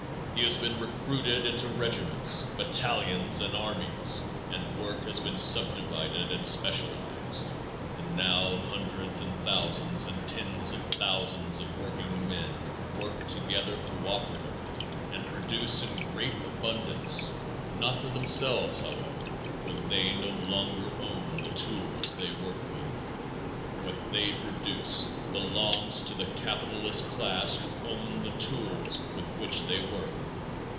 He has been recruited into regiments, battalions and armies and work has been subdivided and specialized; and now hundreds and thousands and tens of thousands of workingmen work together co operatively and produce in great abundance, not for themselves, however, for they no longer own the tools they work with. What they produce belongs to the capitalist class who own the tools with which they work.